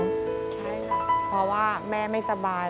ใช่ค่ะเพราะว่าแม่ไม่สบาย